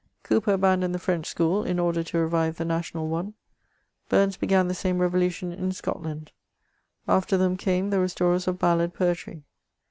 Cowper abandoned the French school, in order to revive the national one ; Burns began the same revolution in Scotland. After them came the restorers of ballad poetry.